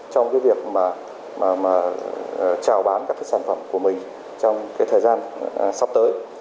trong việc trào bán các sản phẩm của mình trong thời gian sắp tới